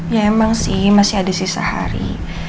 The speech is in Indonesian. ya emang sih masih ada sisa hari